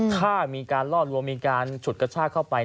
ถ้ามีการล่อลวงมีการฉุดกระชากเข้าไป